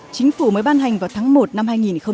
chính phủ mới ban hành vào tháng một năm hai nghìn một mươi chín